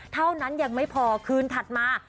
เท่านั้นยังไม่พอคืนถัดมา